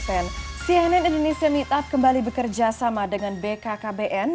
cnn indonesia meetup kembali bekerja sama dengan bkkbn